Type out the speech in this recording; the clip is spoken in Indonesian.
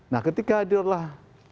nah ketika itu adalah